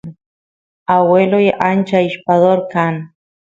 agueloy ancha ishpador kan